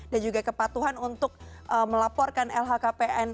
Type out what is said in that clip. juga kepatuhan untuk melaporkan lhkpn